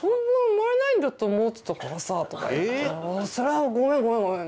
「それはごめんごめんごめん！」